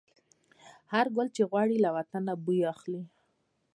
هر ګل چې غوړي، له وطن نه بوی اخلي